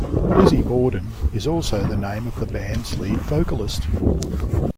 Lizzy Borden is also the name of the band's lead vocalist.